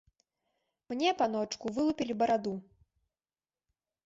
Мне, паночку, вылупілі бараду.